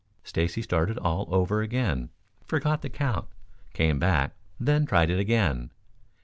Stacy started all over again, forgot the count, came back, then tried it again.